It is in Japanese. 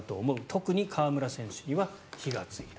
特に河村選手には火がついた。